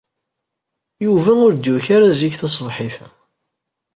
Yuba ur d-yuki ara zik taṣebḥit-a.